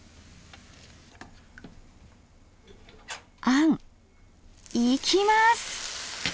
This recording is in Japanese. あんいきます！